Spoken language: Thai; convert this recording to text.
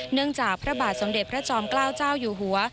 จากพระบาทสมเด็จพระจอมเกล้าเจ้าอยู่หัว